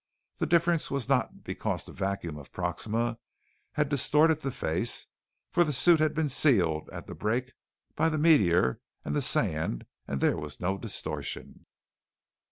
The difference was not because the vacuum of Proxima had distorted the face, for the suit had been sealed at the break by the meteor and the sand and there was no distortion.